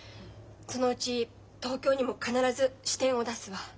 そのうち東京にも必ず支店を出すわ。